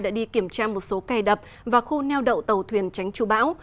đã đi kiểm tra một số cài đập và khu neo đậu tàu thuyền tránh trụ bão